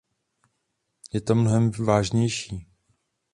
Je to mnohem vážnější.